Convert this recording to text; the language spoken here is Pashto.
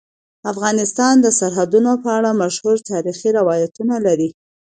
افغانستان د سرحدونه په اړه مشهور تاریخی روایتونه لري.